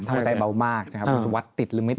ใจเบามากใช่ไหมครับวัดติดหรือไม่ติด